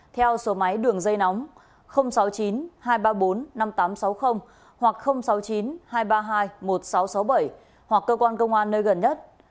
theo số máy đường dây nóng sáu mươi chín hai trăm ba mươi bốn năm nghìn tám trăm sáu mươi hoặc sáu mươi chín hai trăm ba mươi hai một nghìn sáu trăm sáu mươi bảy hoặc cơ quan công an nơi gần nhất